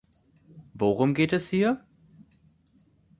Worum geht es hier?